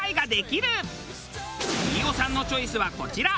飯尾さんのチョイスはこちら。